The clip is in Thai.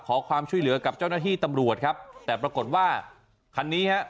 ขอความช่วยเหลือกับเจ้าหน้าที่ตำรวจครับแต่ปรากฏว่าคันนี้ฮะ